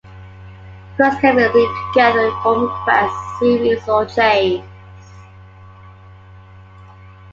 Quests can be linked together to form quest series or chains.